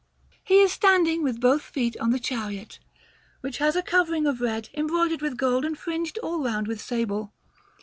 He is standing with both feet on the chariot, which has a covering of red, embroidered with gold and fringed all round with sable.